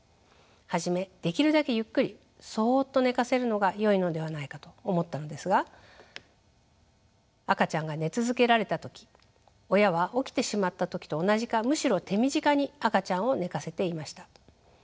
初めできるだけゆっくりそっと寝かせるのがよいのではないかと思ったのですが赤ちゃんが寝続けられた時親は起きてしまった時と同じかむしろ手短に赤ちゃんを寝かせていました。